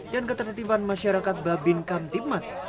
dan ketentipan masyarakat babin kamtipmas